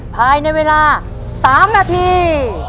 ภายในเวลา๓นาที